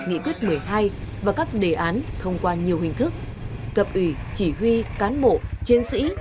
nghị quyết một mươi hai và các đề án thông qua nhiều hình thức cập ủy chỉ huy cán bộ chiến sĩ